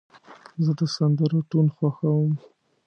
زه د سندرو ټون خوښوم.